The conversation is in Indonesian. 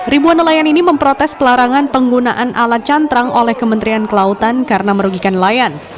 ribuan nelayan ini memprotes pelarangan penggunaan alat cantrang oleh kementerian kelautan karena merugikan nelayan